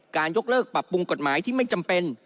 ยกเลิกปรับปรุงกฎหมายที่ไม่จำเป็น